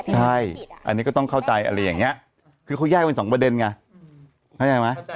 ใช่อันนี้ก็ต้องเข้าใจอะไรอย่างนี้คือเขาแยกเป็นสองประเด็นไงเข้าใจไหม